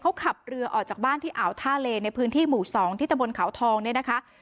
เขาขับเรือออกจากบ้านที่อ่าวท่าเลในพื้นที่หมู่๒ที่ตะบนเขาทองเนี่ยนะคะ